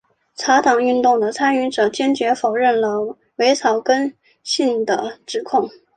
茶党运动的参与者坚决否认了伪草根性的指控。